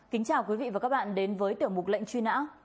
kính chào quý vị và các bạn đến với tiểu mục lệnh truy nã